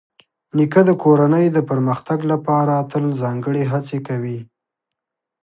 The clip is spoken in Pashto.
نیکه د کورنۍ د پرمختګ لپاره تل ځانګړې هڅې کوي.